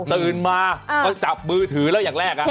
ตื่นมาก็จับมือถือแล้วอย่างแรกนะครับค่ะฮะ